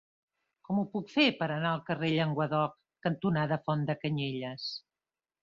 Com ho puc fer per anar al carrer Llenguadoc cantonada Font de Canyelles?